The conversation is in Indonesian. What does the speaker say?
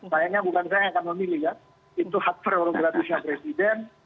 sayangnya bukan saya yang akan memilih ya itu hatta orang beratusnya presiden